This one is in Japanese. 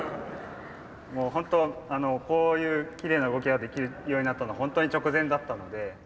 もうホントこういうきれいな動きができるようになったのホントに直前だったので。